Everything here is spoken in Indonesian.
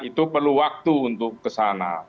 itu perlu waktu untuk kesana